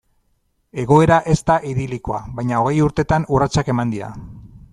Egoera ez da idilikoa, baina hogei urtetan urratsak eman dira.